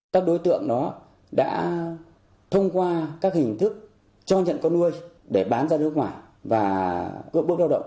các đối tượng đó đã thông qua các hình thức cho nhận con nuôi để bán ra nước ngoài và ước búc lao động